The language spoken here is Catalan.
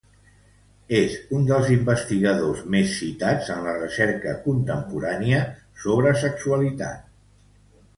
És un dels investigadors més citats en la recerca contemporània sobre sexualitat.